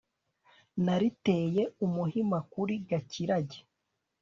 nariteye umuhima kuri Gakirage